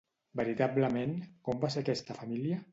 Veritablement com va ser aquesta família?